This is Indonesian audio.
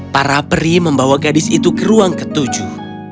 para peri membawa gadis itu ke ruang ketujuh